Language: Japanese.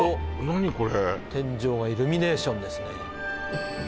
何これ天井がイルミネーションですね